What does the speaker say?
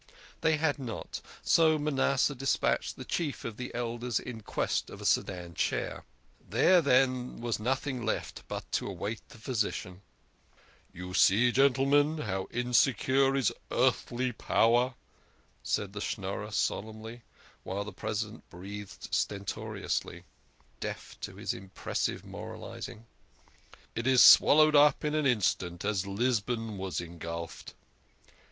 They had not, so Manasseh despatched the Chief of the Elders in quest of a sedan chair. Then there was nothing left but to await the physician. THE KING OF SCHNORRERS. 127 "You see, gentlemen, how insecure is earthly power," said the Schnorrer solemnly, while the President breathed stertorously, deaf to his impressive moralising. " It is swal lowed up in an instant, as Lisbon was engulfed.